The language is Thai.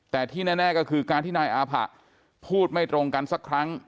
แต่ที่แน่ก็คือการที่นายอาผะพูดไม่ตรงกันสักครั้ง